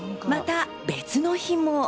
また別の日も。